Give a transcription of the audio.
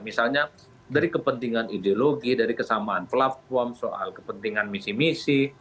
misalnya dari kepentingan ideologi dari kesamaan platform soal kepentingan misi misi